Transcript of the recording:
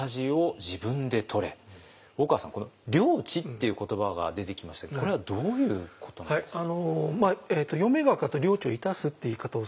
この「良知」っていう言葉が出てきましたけれどもこれはどういうことなんですか？